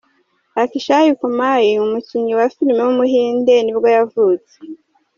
Akshay Kumar, umukinnyi wa film w’umuhinde nibwo yavutse.